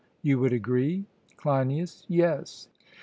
You would agree? CLEINIAS: Yes.